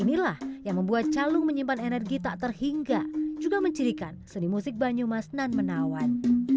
inilah yang membuat calung menyimpan energi tak terhingga juga mencirikan seni musik banyumas nan menawan